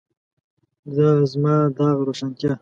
د زما داغ روښانتیا.